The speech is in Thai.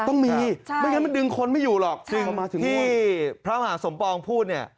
ต้องมีเพราะฉะนั้นมันดึงคนไม่อยู่หรอกซึ่งที่พระอาจารย์สมปองพูด